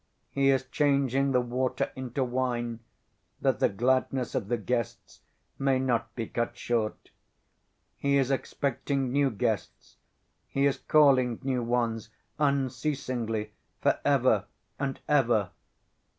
He is changing the water into wine that the gladness of the guests may not be cut short. He is expecting new guests, He is calling new ones unceasingly for ever and ever....